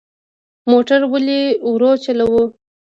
موټر ولې ورو چلوو؟